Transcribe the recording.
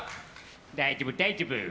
大丈夫、大丈夫。